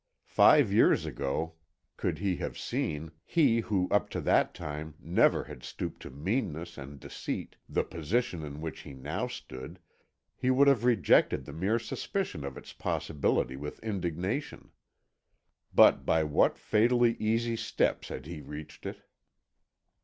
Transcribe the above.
Five years ago, could he have seen he who up to that time never had stooped to meanness and deceit the position in which he now stood, he would have rejected the mere suspicion of its possibility with indignation. But by what fatally easy steps had he reached it!